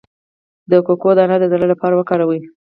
د کوکو دانه د زړه لپاره وکاروئ